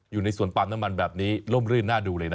อยู่ในสวนปาล์มน้ำมันแบบนี้ล่มรื่นน่าดูเลยนะ